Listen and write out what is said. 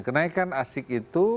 kenaikan asik itu